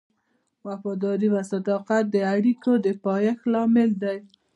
وفاداري او صداقت د اړیکو د پایښت لامل دی.